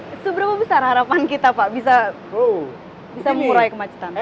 itu berapa besar harapan kita pak bisa mulai kemacetan